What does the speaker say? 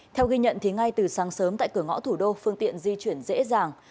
theo ghi nhận ngay từ sáng sớm tại cửa ngõ thủ đô phương tiện di chuyển dễ dàng